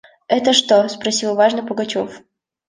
«Это что?» – спросил важно Пугачев.